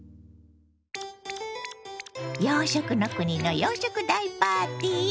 洋食の国の洋食大パーティー